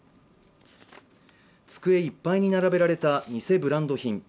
机いっぱいに並べられた偽ブランド品。